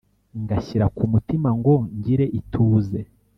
ngashyira ku mutima ngo ngire ituze